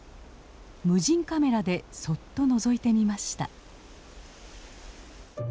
無人カメラでそっとのぞいてみました。